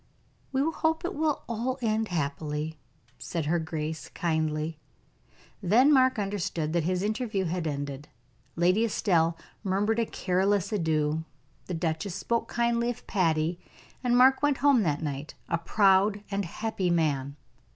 "We will hope it will all end happily," said her grace, kindly. Then Mark understood that his interview had ended. Lady Estelle murmured a careless adieu: the duchess spoke kindly of Patty, and Mark went home that night a proud and happy man.